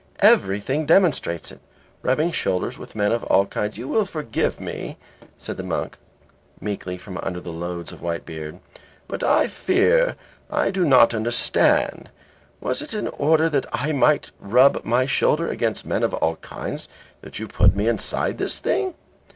Everything demonstrates it. Rubbing shoulders with men of all kinds " "You will forgive me," said the monk, meekly from under loads of white beard, "but I fear I do not understand; was it in order that I might rub my shoulder against men of all kinds that you put me inside this thing?"